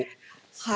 「はい」